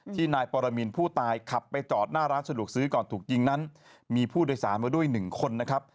นายปรมินผู้ตายขับไปจอดหน้าร้านสะดวกซื้อก่อนถูกยิงนั้นมีผู้โดยสารมาด้วยหนึ่งคนนะครับ